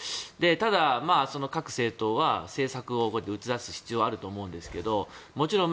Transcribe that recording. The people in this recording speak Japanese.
ただ、各政党は政策をこうやって打ち出す必要があると思うんですがもちろん